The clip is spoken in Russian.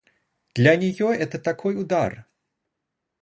Для нее это такой удар!